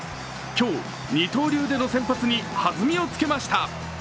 今日、二刀流での先発に弾みをつけました。